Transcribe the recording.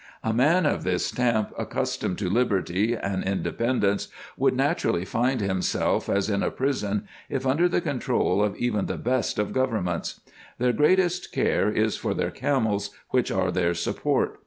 A man of this stamp, accustomed to liberty and independence, would naturally find himself as in a prison, if under the control of even the best of governments. Their greatest care is for their camels, which are their support.